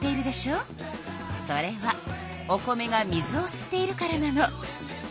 それはお米が水をすっているからなの。